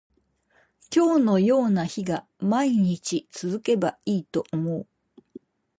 今日のような日が毎日続けばいいと思う